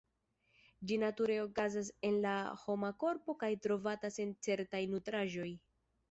Ĝi nature okazas en la homa korpo kaj trovatas en certaj nutraĵoj.